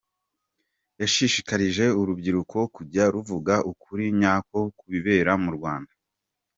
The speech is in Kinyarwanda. Yashishikarije urubyiruko kujya ruvuga ukuri nyako ku bibera mu Rwanda.